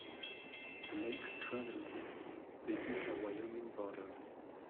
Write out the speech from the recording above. The lake straddles the Utah-Wyoming border.